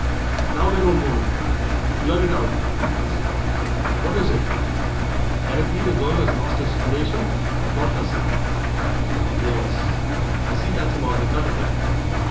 "Now, then, old woman, blurt it out!" he said. "What is it? Can it be the girl 'as lost her sitooation got the sack? Yes, I see that's about the cut of it.